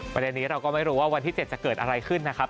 ประเด็นนี้เราก็ไม่รู้ว่าวันที่๗จะเกิดอะไรขึ้นนะครับ